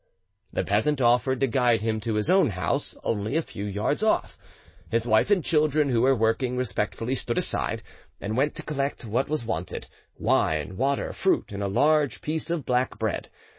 The peasant offered to guide him to his own house, only a few yards off. His wife and children, who were working, respectfully stood aside, and went to collect what was wanted—wine, water, fruit, and a large piece of black bread.